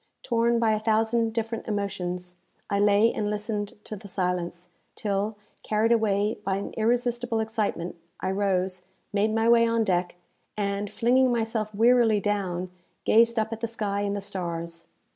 Torn by a thousand different emotions, I lay and listened to the silence, till, carried away by an irresistible excitement, I rose, made my way on deck, and, flinging myself wearily down, gazed up at the sky and the stars.